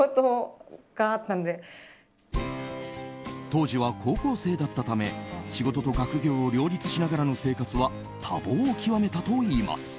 当時は高校生だったため仕事と学業を両立しながらの生活は多忙を極めたといいます。